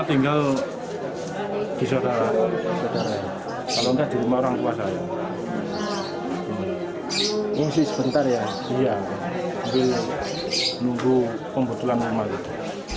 ini rumah rumah yang di rumah rumah itu